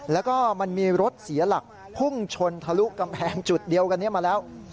แล้วก็มันมีรถเสียหลักพุ่งชนทะลุกำแพงจุดเดียวกันนี้มาแล้ว